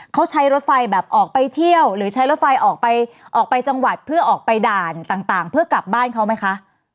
เขาใช้รถไฟแบบออกไปเที่ยวหรือใช้รถไฟออกไปออกไปจังหวัดเพื่อออกไปด่านต่างเพื่อกลับบ้านเขาไหมคะ